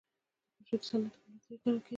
دا پروژې د صنعت د ملا تیر ګڼل کېدې.